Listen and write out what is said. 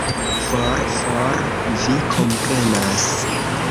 For, for, vi komprenas.